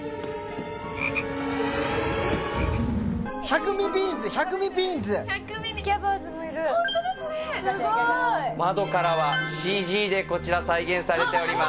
百味ビーンズ百味ビーンズ・スキャバーズもいる・ホントですね・すごい・窓からはＣＧでこちら再現されております